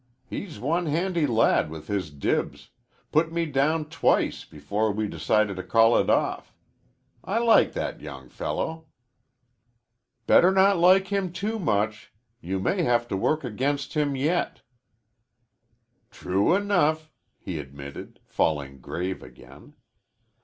He's one handy lad with his dibs put me down twice before we decided to call it off. I like that young fellow." "Better not like him too much. You may have to work against him yet." "True enough," he admitted, falling grave again.